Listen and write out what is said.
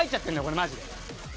これマジで。